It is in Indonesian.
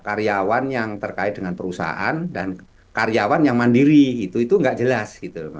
karyawan yang terkait dengan perusahaan dan karyawan yang mandiri itu nggak jelas